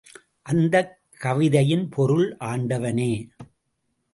அந்தக் கவிதையின் பொருள் ஆண்டவனே!